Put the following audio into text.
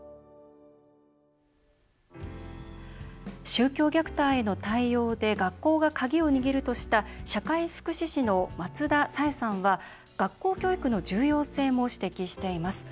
宗教虐待への対応で学校が鍵を握るとした社会福祉士の松田彩絵さんは学校教育の重要性も指摘しています。